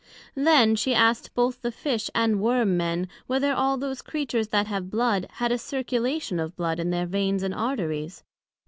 Then she asked both the Fish and Worm men, whether all those Creatures that have blood, had a circulation of blood in their veins and arteries?